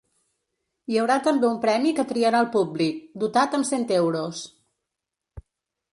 Hi haurà també un premi que triarà el públic, dotat amb cent euros.